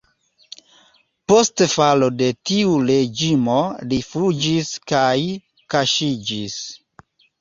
Post falo de tiu reĝimo li rifuĝis kaj kaŝiĝis.